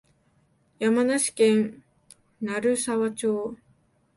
山梨県鳴沢村